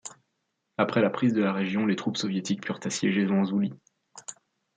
Après la prise de la région, les troupes soviétiques purent assiéger Manzhouli.